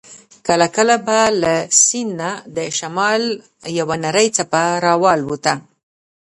کله کله به له سیند نه د شمال یوه نرۍ څپه را الوته.